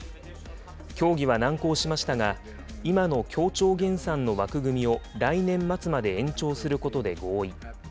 協議は難航しましたが、今の協調減産の枠組みを来年末まで延長することで合意。